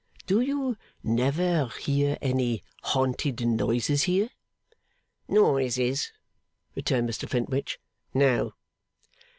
Do you never hear any haunted noises here?' 'Noises,' returned Mr Flintwinch. 'No.